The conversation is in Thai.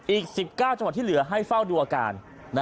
อีก๑๙จังหวัดที่เหลือให้เฝ้าดูอาการ